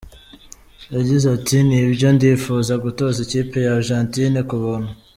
Yagize ati “Nibyo ndifuza gutoza ikipe ya Argentina ku buntu.